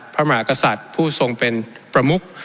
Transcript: พระผู้ส่งเป็นประมุข